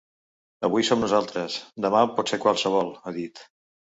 Avui som nosaltres, demà pot ser qualsevol, ha dit.